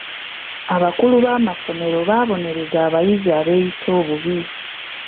Abakulu b'amasomero baabonereza abayizi abeeyisa obubi.